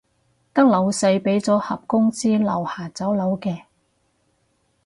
得老細畀咗盒公司樓下酒樓嘅